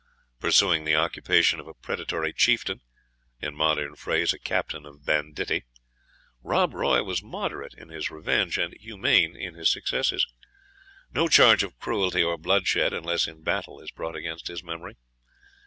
Pursuing the occupation of a predatory chieftain, in modern phrase a captain of banditti, Rob Roy was moderate in his revenge, and humane in his successes. No charge of cruelty or bloodshed, unless in battle, is brought against his memory.